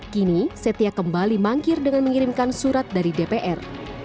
kini setia kembali mangkir dengan mengirimkan surat dari dpr